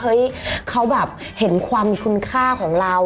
เฮ้ยเขาแบบเห็นความมีคุณค่าของเรา